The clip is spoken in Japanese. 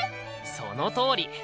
そのとおり！